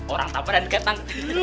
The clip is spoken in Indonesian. orang tapa dan ermin